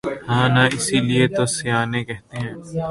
ہاں نا اسی لئے تو سیانے کہتے ہیں